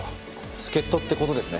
助っ人って事ですね。